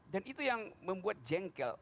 dan itu yang membuat jengkel